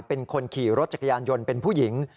เป็นคนขี่รถจักรยานยนต์เป็นผู้หญิง